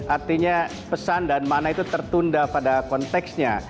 artinya pesan dan makna itu tertunda pada konteksnya